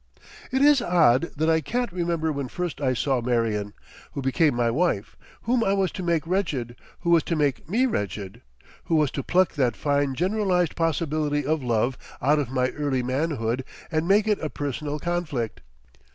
It is odd that I can't remember when first I saw Marion, who became my wife—whom I was to make wretched, who was to make me wretched, who was to pluck that fine generalised possibility of love out of my early manhood and make it a personal conflict.